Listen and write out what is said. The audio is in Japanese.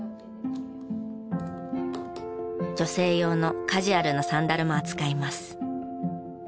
女性用のカジュアルなサンダルも扱います。